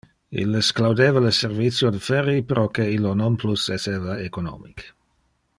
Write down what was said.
Illes claudeva le servicio de ferry proque illo non plus esseva economic.